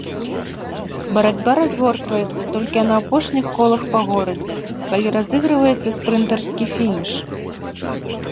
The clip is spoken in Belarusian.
Барацьба разгортваецца толькі на апошніх колах па горадзе, калі разыгрываецца спрынтарскі фініш.